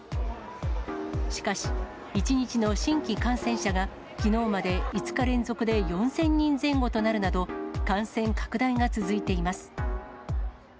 しかし、１日の新規感染者が、きのうまで５日連続で４０００人前後となるなど、感染拡大が続いています。